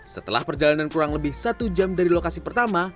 setelah perjalanan kurang lebih satu jam dari lokasi pertama